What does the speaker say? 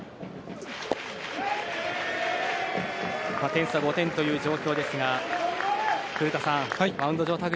点差は５点という状況ですが古田さん、マウンド上田